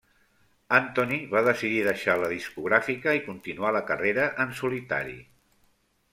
Antony va decidir deixar la discogràfica i continuar la carrera en solitari.